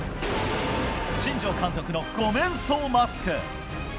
新庄監督の５面相マスク。